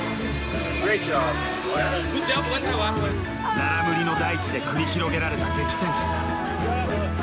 ララムリの大地で繰り広げられた激戦。